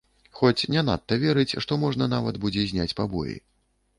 Хоць не надта верыць, што можна нават будзе зняць пабоі.